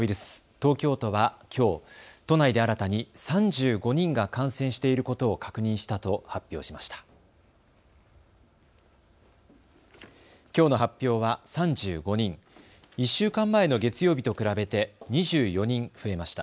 東京都はきょう都内で新たに３５人が感染していることを確認したと発表しました。